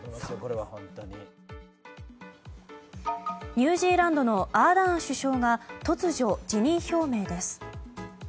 ニュージーランドのアーダーン首相が突如、辞任表明です。